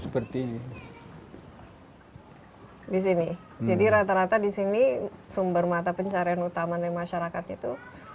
seperti di sini jadi rata rata di sini sumber mata pencarian utama dari masyarakat itu